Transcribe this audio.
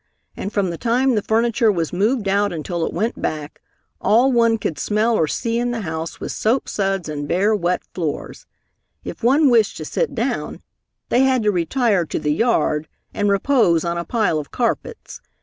And from the time the furniture was moved out until it went back, all one could smell or see in the house was soapsuds and bare, wet floors. If one wished to sit down, they had to retire to the yard, and repose on a pile of carpets.